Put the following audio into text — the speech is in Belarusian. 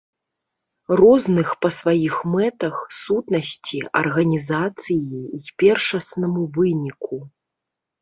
Розных па сваіх мэтах, сутнасці, арганізацыі і першаснаму выніку.